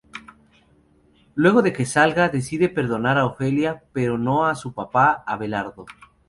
Luego de que salga, decide perdonar a Ofelia, pero no a su papá, Abelardo.